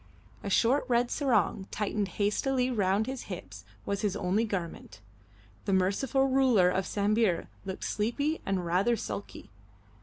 A short red sarong tightened hastily round his hips was his only garment. The merciful ruler of Sambir looked sleepy and rather sulky.